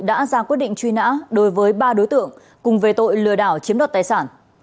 đã ra quyết định truy nã đối với ba đối tượng cùng về tội lừa đảo chiếm đoạt tài sản